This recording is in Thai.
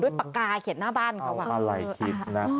ปากกาเขียนหน้าบ้านเขาอ่ะอะไรคิดนะ